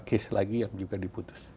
case lagi yang juga diputus